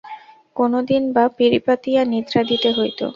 কোনোদিন বা পিঁড়ি পাতিয়া নিদ্রা দিতে হইত।